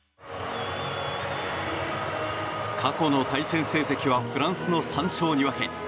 過去の対戦成績はフランスの３勝２分。